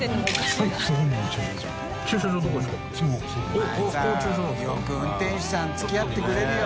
阿よく運転手さん付き合ってくれるよ。